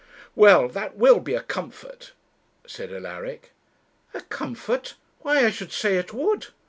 'Well, that will be a comfort,' said Alaric. 'A comfort! why I should say it would.